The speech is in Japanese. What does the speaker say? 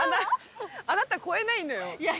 あなた超えないのよ。